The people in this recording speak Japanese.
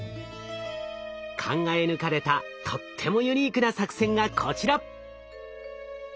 考え抜かれたとってもユニークな作戦がこちら。